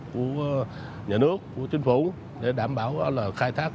của nhà nước của chính phủ để đảm bảo là khai thác